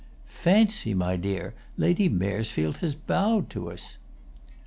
"Fancy, my dear, Lady Maresfield has bowed to us!"